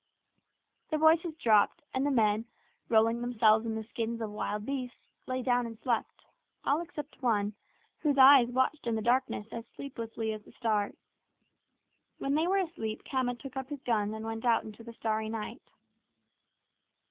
The voices dropped, and the men, rolling themselves in the skins of wild beasts, lay down and slept all except one, whose eyes watched in the darkness as sleeplessly as the stars. When they were asleep Khama took up his gun and went out into the starry night.